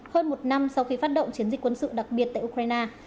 hơn một năm sau khi phát động chiến dịch quân sự đặc biệt tại ukraine